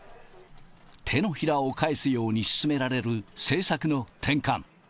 手のひらを反すように進められる政策の転換。